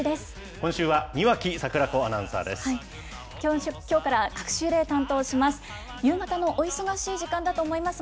今週は庭木櫻子アナウンサーです。